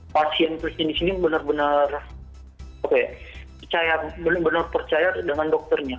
pasien pasien di sini benar benar percaya dengan dokternya